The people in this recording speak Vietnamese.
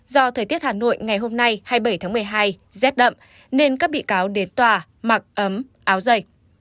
do thời tiết hà nội ngày hôm nay hai mươi bảy tháng một mươi hai rét đậm nên các bị cáo đến tòa mặc ấm áo dày